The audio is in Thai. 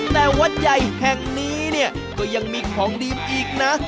แต่วัดใหญ่แห่งนี้เนี่ยก็ยังมีของดีอีกนะ